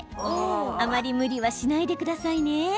あまり無理はしないでくださいね。